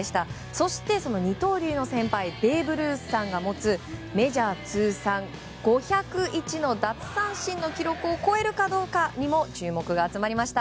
そして、二刀流の先輩ベーブ・ルースさんが持つメジャー通算５０１の奪三振の記録を超えるかどうかにも注目が集まりました。